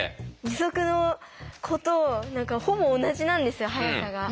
義足の子とほぼ同じなんですよ速さが。